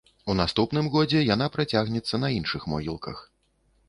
У наступным годзе яна працягнецца на іншых могілках.